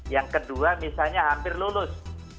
yang kedua misalnya hampir lulus